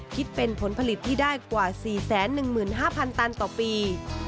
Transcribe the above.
คิดเป็นผลผลิตที่ได้กว่า๔๑๕๐๐ตันต่อปี